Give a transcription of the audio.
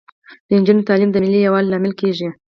د نجونو تعلیم د ملي یووالي لامل کیږي.